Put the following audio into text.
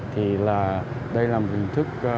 thì đây là một hình thức